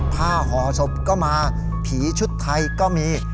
ห่อศพก็มาผีชุดไทยก็มี